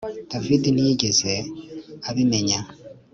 David ntiyigeze abimenya